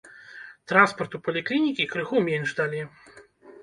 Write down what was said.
Транспарту паліклінікі крыху менш далі.